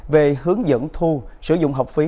về hướng dẫn thu sử dụng học phí